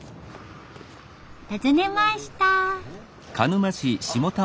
訪ねました。